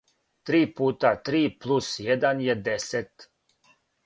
три пута три плус један је десет.